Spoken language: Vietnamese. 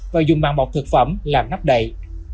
và dùng màng bọc thực phẩm làm nắp đậy